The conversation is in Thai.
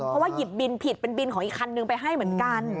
เพราะว่าหยิบบินผิดเป็นบินของอีกคันนึงไปให้เหมือนกัน